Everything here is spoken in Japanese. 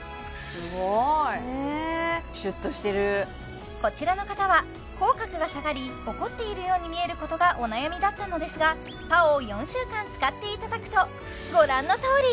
すごーいシュッとしてるねこちらの方は口角が下がり怒っているように見えることがお悩みだったのですがＰＡＯを４週間使っていただくとご覧のとおり！